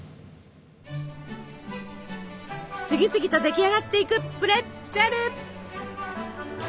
次々と出来上がっていくプレッツェル。